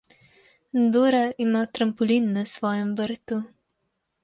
Dora ima trampolin na svojem vrtu.